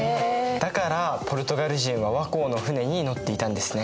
だからポルトガル人は倭寇の船に乗っていたんですね。